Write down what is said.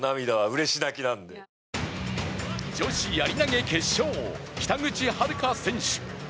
女子やり投決勝、北口榛花選手。